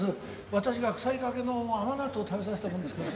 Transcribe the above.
私が腐りかけの甘納豆を食べさせたものですから。